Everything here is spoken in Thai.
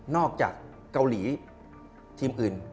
จากเกาหลีทีมอื่น